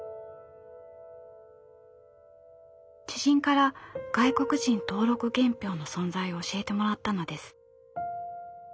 知人から外国人登録原票の存在を教えてもらったのです。